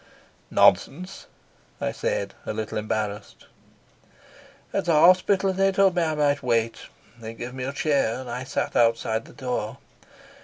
"Nonsense," I said, a little embarrassed. "At the hospital they told me I might wait. They gave me a chair, and I sat outside the door.